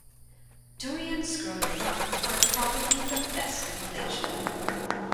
Durians grown in Raub are probably the best in Malaysia.